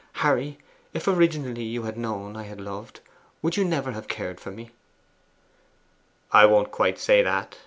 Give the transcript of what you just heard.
Harry, if originally you had known I had loved, would you never have cared for me?' 'I won't quite say that.